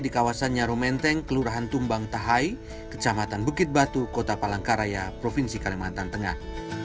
di kawasan nyaru menteng kelurahan tumbang tahai kecamatan bukit batu kota palangkaraya provinsi kalimantan tengah